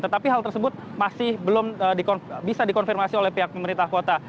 tetapi hal tersebut masih belum bisa dikonfirmasi oleh pihak pemerintah kota